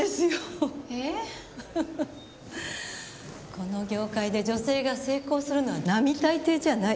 この業界で女性が成功するのは並大抵じゃない。